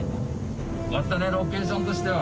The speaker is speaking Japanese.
よかったねロケーションとしては。